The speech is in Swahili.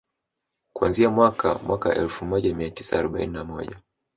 kuanzia mwaka mwaka elfu moja mia tisa arobaini na moja